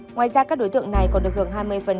ngoài ra các đối tượng này còn được gần hai mươi phần